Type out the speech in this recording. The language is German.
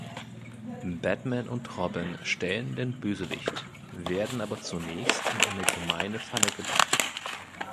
Batman und Robin stellen den Bösewicht, werden aber zunächst in eine gemeine Falle gelockt.